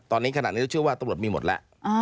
ตอนนี้ขนาดนี้เชื่อว่าตำรวจมีหมดแล้ว